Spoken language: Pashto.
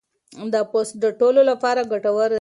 دا پوسټ د ټولو لپاره ګټور دی.